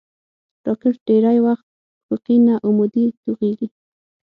راکټ ډېری وخت افقي نه، عمودي توغېږي